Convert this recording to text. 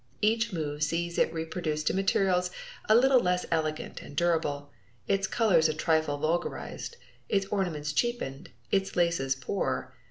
Each move sees it reproduced in materials a little less elegant and durable, its colors a trifle vulgarized, its ornaments cheapened, its laces poorer.